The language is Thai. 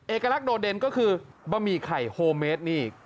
เอกลักษณ์โดดเด่นก็คือบะหมี่ไข่โฮเมดนี่